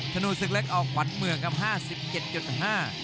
ทนูสิกเล็กออกวันเมืองคำ๕๗๕